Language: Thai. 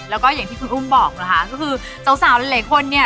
แล้วก็อย่างที่คุณอุ้มบอกนะคะก็คือสาวหลายคนเนี่ย